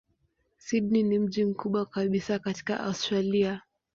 Sydney ni mji mkubwa kabisa katika Australia.